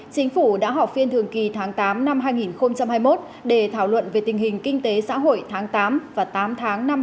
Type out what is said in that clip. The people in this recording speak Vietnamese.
chính phủ đã họp phiên thường kỳ tháng tám năm hai nghìn hai mươi một để thảo luận về tình hình kinh tế xã hội tháng tám và tám tháng năm hai nghìn hai mươi ba